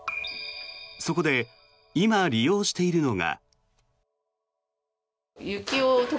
そこで今、利用しているのが。